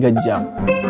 maaf gue keliatan